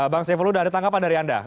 bang saifullah ada tanggapan dari anda